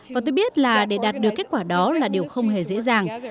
và tôi biết là để đạt được kết quả đó là điều không hề dễ dàng